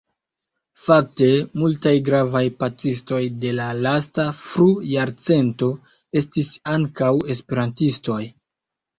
Fakte, multaj gravaj pacistoj de la lasta frujarcento estis ankaŭ esperantistoj.